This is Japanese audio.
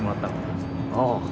ああ。